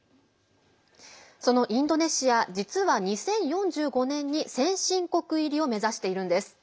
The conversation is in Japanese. そのインドネシア実は、２０４５年に先進国入りを目指しているんです。